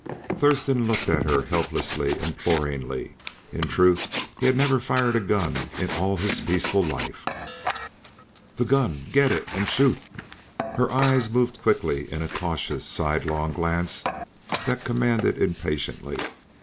Thurston looked at her helplessly, imploringly. In truth, he had never fired a gun in all his peaceful life. "The gun get it and shoot!" Her eyes moved quickly in a cautious, side long glance that commanded impatiently.